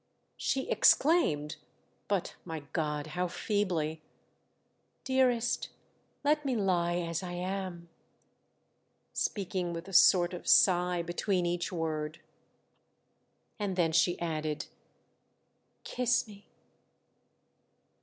She exclaimed — but, my God, how feebly !—" Dearest, let me lie as I am," speaking with a sort of sigh between each word. And then she added, " Kiss me."